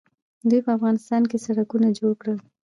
دوی په افغانستان کې سړکونه جوړ کړل.